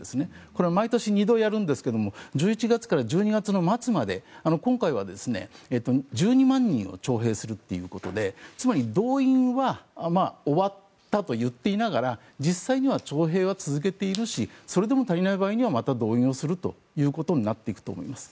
これは毎年２度やるんですが１１月から１２月の末まで今回は１２万人を徴兵するということでつまり、動員は終わったと言っていながら実際には徴兵は続けているしそれでも足りない場合また動員するとなっていくと思います。